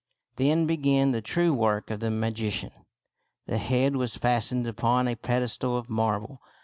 Then began the true work of the magician. The head was fastened upon a pedestal of marble.